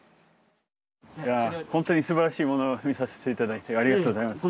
本当にすばらしいものを見させて頂いてありがとうございます。